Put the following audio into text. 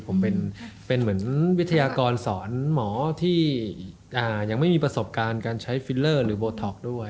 ผมเป็นเหมือนวิทยากรสอนหมอที่ยังไม่มีประสบการณ์การใช้ฟิลเลอร์หรือโบท็อกด้วย